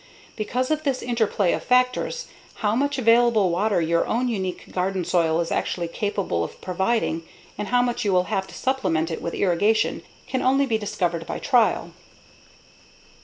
_Because of this interplay of factors, how much available water your own unique garden soil is actually capable of providing and how much you will have to supplement it with irrigation can only be discovered by trial.